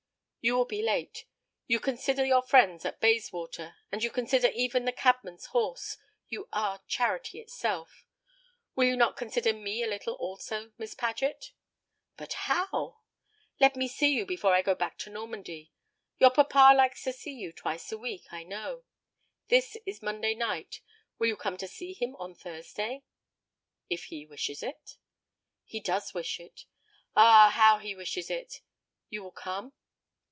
"You will be late. You consider your friends at Bayswater, and you consider even the cabman's horse. You are charity itself. Will you not consider me a little also, Miss Paget?" "But how?" "Let me see you before I go back to Normandy. Your papa likes to see you twice a week, I know. This is Monday night; will you come to see him on Thursday?" "If he wishes it." "He does wish it. Ah, how he wishes it! You will come?"